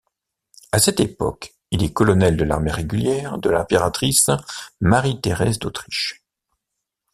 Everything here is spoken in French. À cette époque, il est colonel de l'armée régulière de l'impératrice Marie-Thérèse d'Autriche.